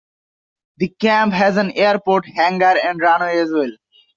The camp has an airport hangar and runway as well.